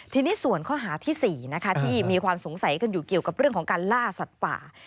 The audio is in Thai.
ทีนี้ส่วนข้อหาที่๔นะคะที่มีความสงสัยกันอยู่เกี่ยวกับเรื่องของการล่าสัตว์ป่า